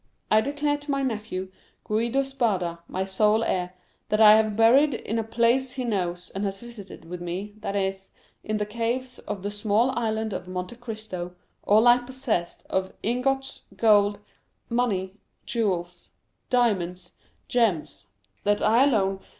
I declare to my nephew, Guido Spada, my sole heir, that I have bu...ried in a place he knows and has visited with me, that is, in...the caves of the small Island of Monte Cristo, all I poss...essed of ingots, gold, money, jewels, diamonds, gems; that I alone...